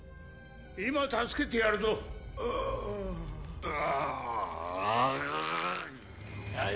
今助けてやるぞあああ！